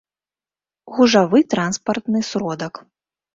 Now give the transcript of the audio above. гужавы транспартны сродак